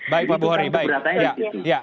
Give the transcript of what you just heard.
baik pak buhari baik